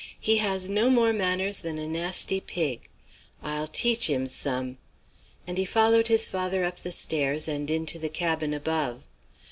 'He has no more manners than a nasty pig. I'll teach him some,' and he followed his father up the stairs and into the cabin above.